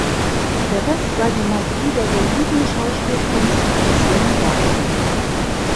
Der Rest sei die Magie der soliden Schauspielkunst des jungen Darstellers.